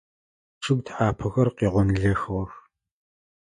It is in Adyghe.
Чъыг тхьапэхэр къегъонлэхыгъэх.